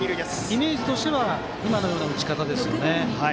イメージとしては今のような打ち方ですよね。